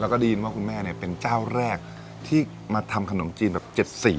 แล้วก็ได้ยินว่าคุณแม่เนี่ยเป็นเจ้าแรกที่มาทำขนมจีนแบบ๗สี